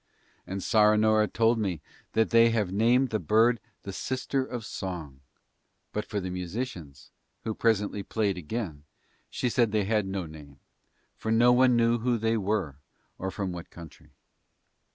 And Saranoora told me that they have named the bird the Sister of Song; but for the musicians, who presently played again, she said they had no name, for no one knew who they were or from what country.